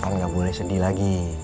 intan gak boleh sedih lagi